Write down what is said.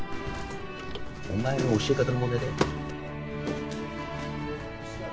お前の教え方の問題だよ。